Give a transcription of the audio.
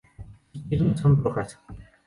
Sus piernas son rojas.